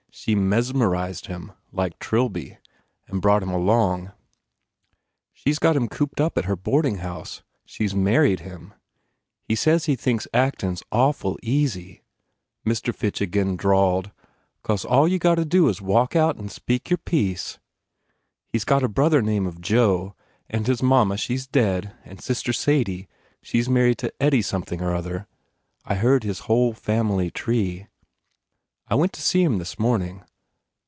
She mesmerized him like Trilby and brought him along. She s got him cooped up at her boarding house. She s married him. He says he thinks acting s awful easy" Mr. Fitch again drawled, "cause all you gotta do is walk out, an speak your piece. He s got a brother 17 THE FAIR REWARDS name of Joe and his mamma she s dead and sister Sadie she s married to Eddie something or other. I heard his whole family tree. I went to see him this morning.